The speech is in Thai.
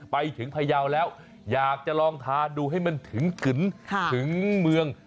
ไปถึงไพร่าวด์แล้วอยากจะลองทานดูให้เกินถึงเมือง